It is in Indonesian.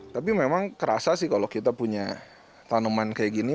tapi memang kerasa sih kalau kita punya tanaman kayak gini